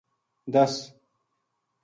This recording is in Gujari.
دس !‘‘